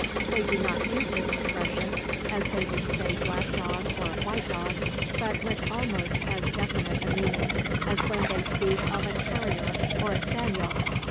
They do not use this expression as they would say black dog or white dog, but with almost as definite a meaning as when they speak of a terrier or a spaniel.